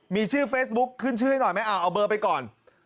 มีชื่อเฟซบุ๊คขึ้นชื่อให้หน่อยไหมเอาเบอร์ไปก่อน